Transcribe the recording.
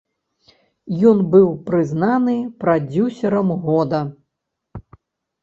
Ён быў прызнаны прадзюсарам года.